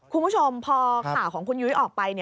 คุณผู้ชมพอข่าวของคุณยุ้ยออกไป